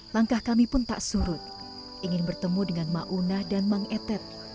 langkah kami pun tak surut ingin bertemu dengan maunah dan mang etet